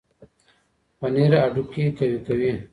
پنیر هډوکي قوي کوي.